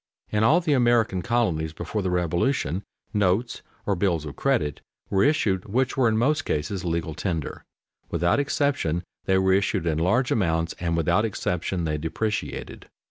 _ In all the American colonies before the Revolution notes or bills of credit were issued which were in most cases legal tender. Without exception they were issued in large amounts and without exception they depreciated.